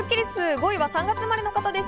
５位は３月生まれの方です。